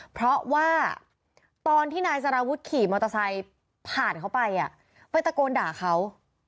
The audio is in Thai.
เพราะว่าตอนที่นายสารวุฒิขี่มอเตอร์ไซค์ผ่านเขาไปไปตะโกนด่าเขา